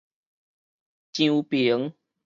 漳平